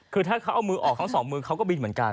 คือถ้าเขาเอามือออกทั้งสองมือเขาก็บินเหมือนกัน